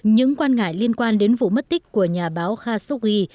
những quan ngại liên quan đến vụ mất tích của nhà báo khashoggi